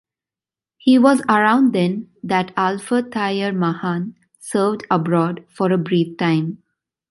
It was around then that Alfred Thayer Mahan served aboard for a brief time.